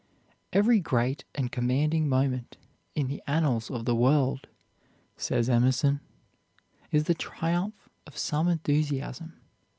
"Every great and commanding moment in the annals of the world," says Emerson, "is the triumph of some enthusiasm.